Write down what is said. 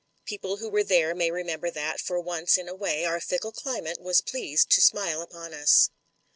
People who were there may remember that, for once in a way, our fickle climate was pleased to smile upon us.